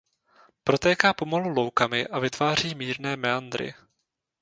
Protéká pomalu loukami a vytváří mírné meandry.